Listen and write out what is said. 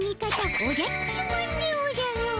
おじゃっちマンでおじゃる！